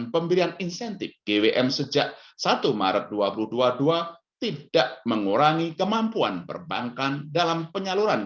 pemberian insentif gwm sejak satu maret dua ribu dua puluh dua tidak mengurangi kemampuan perbankan dalam penyaluran